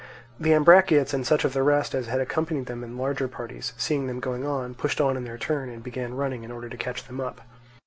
The Ambraciots and such of the rest as had accompanied them in larger parties, seeing them going on, pushed on in their turn, and began running in order to catch them up.